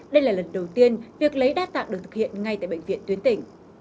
đây là lần đầu tiên việc lấy đa tạng được thực hiện ngay tại bệnh viện tuyến tỉnh